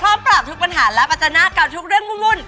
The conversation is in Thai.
พร้อมปรับทุกปัญหาและปัจจนาการทุกเรื่องมุ่น